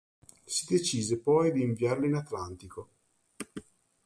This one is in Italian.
Si decise poi di inviarlo in Atlantico.